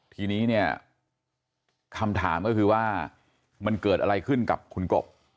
ทีนี้เนี่ยคำถามก็คือว่ามันเกิดอะไรขึ้นกับคุณกบ